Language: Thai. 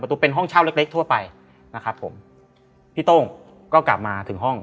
ตู้เป็นห้องเช่าเล็กเล็กทั่วไปนะครับผมพี่โต้งก็กลับมาถึงห้อง